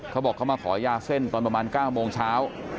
เขาบอกเขามาขอยาเส้นตอนประมาณ๙โมงเช้า